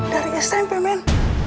dari smp men